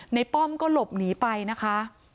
ป้อมก็หลบหนีไปนะคะ